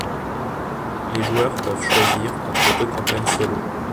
Les joueurs peuvent choisir entre deux campagnes solo.